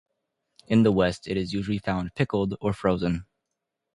In the west it is usually found pickled or frozen.